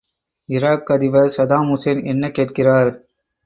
Iraq அதிபர் Saddam Hussein என்ன கேட்கிறார்?